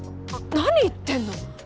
何言ってんの！